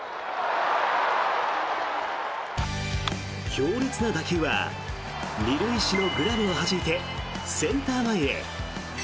強烈な打球は２塁手のグラブをはじいてセンター前へ。